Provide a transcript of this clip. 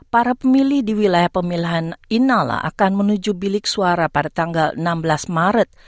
para pemilih di wilayah pemilihan inalla akan menuju bilik suara pada tanggal enam belas maret